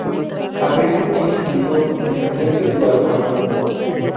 A veces viene incluido en el precio del alojamiento.